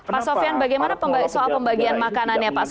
pas sofyan bagaimana soal pembagian makanan ya